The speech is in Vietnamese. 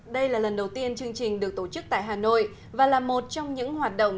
đây là lần đầu tiên chương trình được tổ chức tại hà nội và là một trong những hoạt động